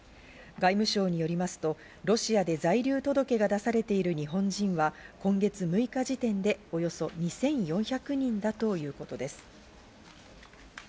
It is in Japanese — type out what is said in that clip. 外務省によりますと、ロシアで在留届が出されている日本人は今月６日時点でおよそ２４００人だということです。